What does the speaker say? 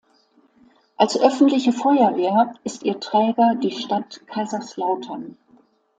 Als öffentliche Feuerwehr ist ihr Träger die Stadt Kaiserslautern.